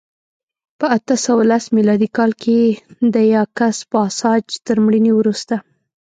په اته سوه لس میلادي کال کې د یاکس پاساج تر مړینې وروسته